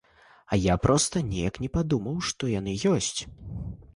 А я проста неяк не падумаў, што яны ёсць!